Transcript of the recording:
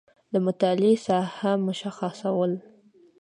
د مطالعې ساحه مشخصول